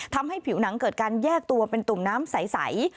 ทำให้ผิวหนังเกิดการแยกตัวเป็นตุ่มน้ำใส